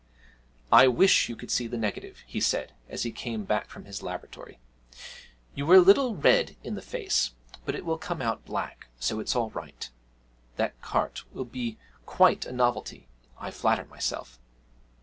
'I wish you could see the negative!' he said as he came back from his laboratory. 'You were a little red in the face, but it will come out black, so it's all right. That carte will be quite a novelty, I flatter myself.'